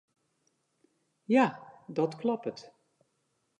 Ja, dat kloppet.